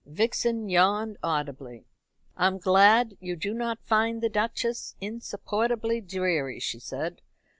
Vixen yawned audibly. "I'm glad you do not find the Duchess insupportably dreary," she said.